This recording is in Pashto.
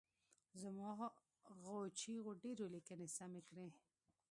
زما غو چیغو ډېرو لیکني سمې کړي.